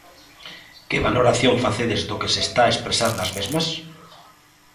Que valoración facedes do que se está a expresar nas mesmas?